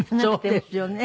そうですよね。